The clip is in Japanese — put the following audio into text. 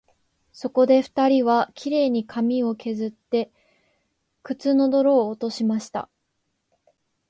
そこで二人は、綺麗に髪をけずって、靴の泥を落としました